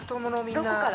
どこから？